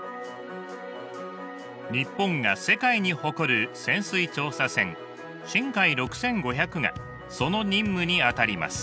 日本が世界に誇る潜水調査船しんかい６５００がその任務にあたります。